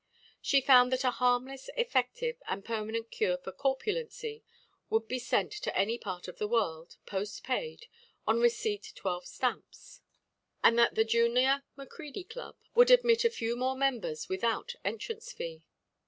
She found that a harmless, effective and permanent cure for corpulency would be sent to any part of the world, post paid, on receipt twelve stamps, and that the Junior Macready Club would admit a few more members without entrance fee.